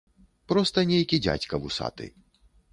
Проста нейкі дзядзька вусаты.